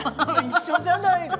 一緒じゃないの。